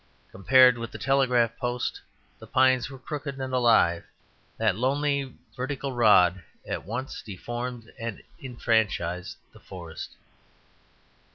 Compared with the telegraph post the pines were crooked and alive. That lonely vertical rod at once deformed and enfranchised the forest.